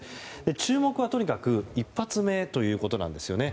注目は、とにかく１発目ということなんですね。